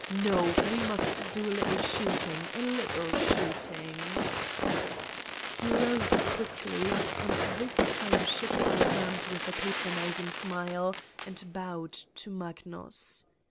No, we must do a little shooting, a little shooting !" He rose quickly and this time shook my hand with a patronizing smile and bowed to Magnus.